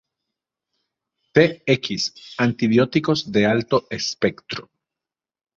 Tx: antibióticos de alto espectro.